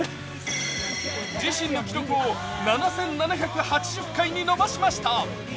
自身の記録を７７８０回に伸ばしました。